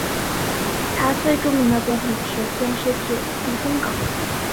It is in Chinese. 他最著名的作品是电视剧避风港。